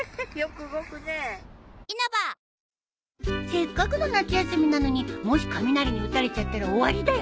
せっかくの夏休みなのにもし雷に打たれちゃったら終わりだよ。